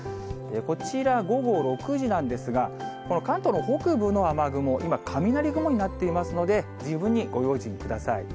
こちら、午後６時なんですが、この関東の北部の雨雲、今、雷雲になっていますので、十分にご用心ください。